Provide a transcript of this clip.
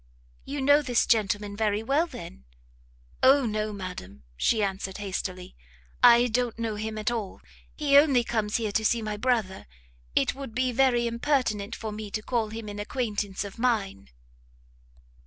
"You know this gentleman very well, then?" "O no, madam!" she answered hastily, "I don't know him at all! he only comes here to see my brother; it would be very impertinent for me to call him an acquaintance of mine."